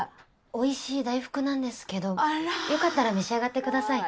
おいしい大福なんですけどよかったら召し上がってください。